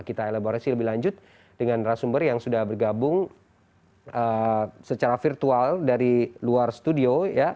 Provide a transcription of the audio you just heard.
kita elaborasi lebih lanjut dengan rasumber yang sudah bergabung secara virtual dari luar studio